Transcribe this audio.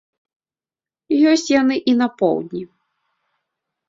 Ёсць яны і на поўдні.